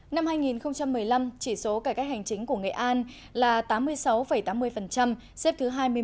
năm hai nghìn một mươi năm chỉ số cải cách hành chính của nghệ an là tám mươi sáu tám mươi xếp thứ hai mươi một